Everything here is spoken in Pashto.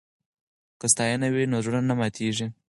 که ستاینه وي نو زړه نه ماتیږي.